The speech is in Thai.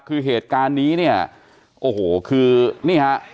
คือเหตุการณ์นี้เนี่ยโอ้โหคือนี่ฮะ